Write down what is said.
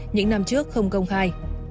những năm trước không công khai